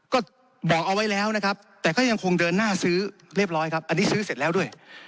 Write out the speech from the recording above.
ก็บอกเอาไว้แล้วนะครับแต่ก็ยังคงเดินหน้าซื้อเรียบร้อยครับอันนี้ซื้อเสร็จแล้วด้วย